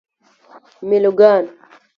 میلوگان